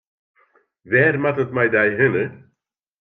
Wêr moat it mei dy hinne?